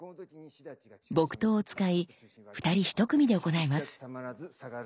木刀を使い二人一組で行います。